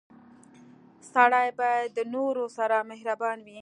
• سړی باید د نورو سره مهربان وي.